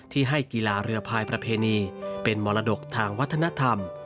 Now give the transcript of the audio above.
ที่ให้กีฬาเรือพายประเพณีเป็นมรดกทางวัฒนธรรม